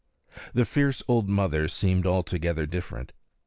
The fierce old mother too seemed altogether different.